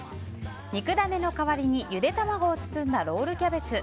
肉ダネの代わりにゆで卵を包んだロールキャベツ。